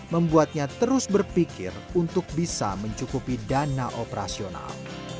membuatnya terus berpikir untuk bisa mencukupi dana operasional